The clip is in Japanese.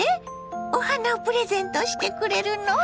お花をプレゼントしてくれるの？